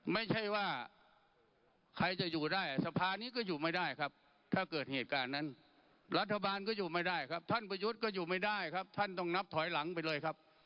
ไม่ใช่ว่าใครจะอยู่ได้สะพานี้ก็อยู่ไม่ได้ครับ